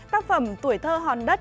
tác phẩm tuổi thơ hòn đất